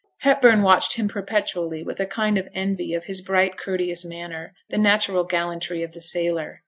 Hepburn watched him perpetually with a kind of envy of his bright, courteous manner, the natural gallantry of the sailor.